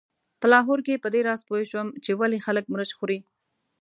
په لاهور کې په دې راز پوی شوم چې ولې خلک مرچ خوري.